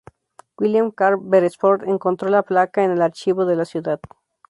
William Carr Beresford encontró la placa en el archivo de la ciudad.